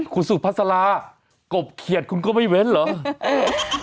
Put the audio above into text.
คุณสุภาษาลากบเขียดคุณก็ไม่เว้นเหรอ